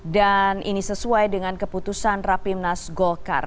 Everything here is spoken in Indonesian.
dan ini sesuai dengan keputusan rapimnas golkar